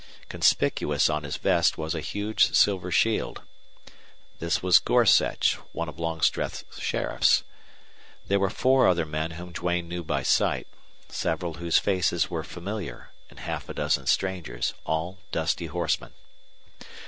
Conspicuous on his vest was a huge silver shield. This was Gorsech, one of Longstreth's sheriffs. There were four other men whom Duane knew by sight, several whose faces were familiar, and half a dozen strangers, all dusty horsemen.